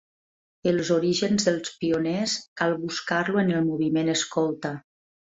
Els orígens dels Pioners cal buscar-lo en el moviment escolta.